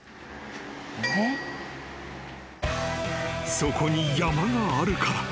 ［そこに山があるから。